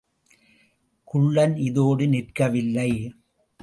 குள்ளன் இதோடு நிற்கவில்லை.